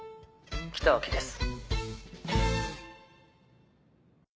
北脇です。